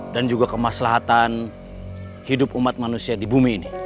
dan juga kemaslahatan hidup umat manusia di bumi ini